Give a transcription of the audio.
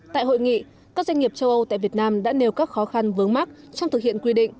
tại hội nghị các doanh nghiệp châu âu tại việt nam đã nêu các khó khăn vướng mắt trong thực hiện quy định